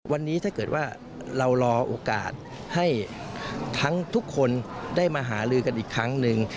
วันนี้ถ้าเกิดว่าเรารอโอกาสให้ทั้งทุกคนได้มาหาลือกันอีกครั้งหนึ่ง